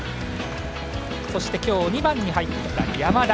そして今日、２番に入った山田。